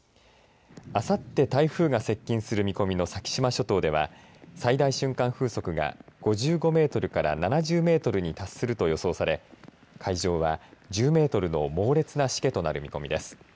あさって台風が接近する見込みの先島諸島では最大瞬間風速が５５メートルから７０メートルに達すると予想され海上は１０メートルの猛烈なしけとなる見込みです。